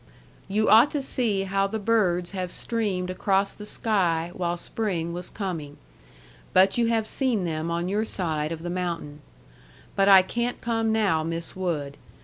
You ought to see how the birds have streamed across the sky while Spring was coming. But you have seen them on your side of the mountain. But I can't come now Miss Wood.